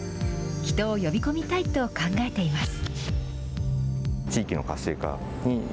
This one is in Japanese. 人を呼び込みたいと考えています。